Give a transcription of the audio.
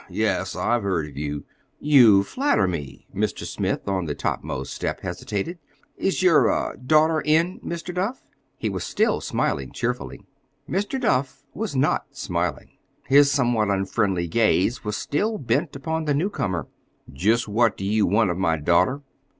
"Humph! Yes, I've heard of you." "You flatter me!" Mr. Smith, on the topmost step, hesitated. "Is your—er—daughter in, Mr. Duff?" He was still smiling cheerfully. Mr. Duff was not smiling. His somewhat unfriendly gaze was still bent upon the newcomer. "Just what do you want of my daughter?"